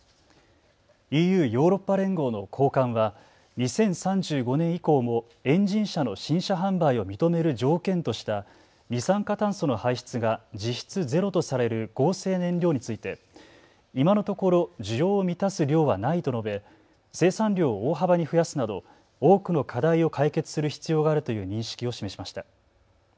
ＥＵ・ヨーロッパ連合の高官は２０３５年以降もエンジン車の新車販売を認める条件とした二酸化炭素の排出が実質ゼロとされる合成燃料について今のところ需要を満たす量はないと述べ生産量を大幅に増やすなど多くの課題を解決する必要があるという認識を示しました。